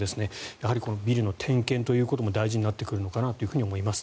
やはり、ビルの点検ということも大事になってくるのかなと思います。